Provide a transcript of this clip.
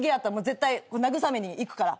絶対慰めにいくから。